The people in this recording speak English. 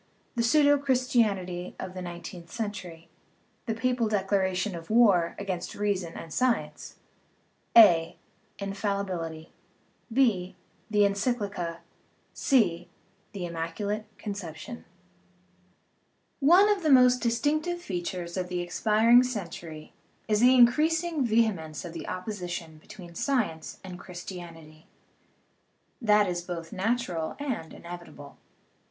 The Pseudo Christianity of the Nineteenth Century The Papal Declaration of War against Reason and Science : (a) Infallibility, (6) The Encyc lica, (c) The Immaculate Conception of the most distinctive features of the expiring century is the increasing vehemence of the oppo sition between science and Christianity. That is both natural and inevitable.